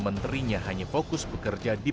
menterinya hanya fokus bekerja di